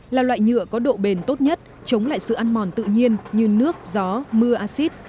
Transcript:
là loại nhựa có độ bền tốt nhất chống lại sự ăn mòn tự nhiên như nước gió mưa acid